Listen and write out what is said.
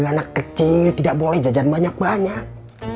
anak kecil tidak boleh jajan banyak banyak